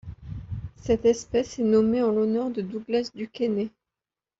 Cette espèce est nommée en l'honneur de Douglas DuQuesnay.